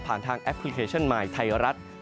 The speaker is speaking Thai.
ในภาคฝั่งอันดามันนะครับ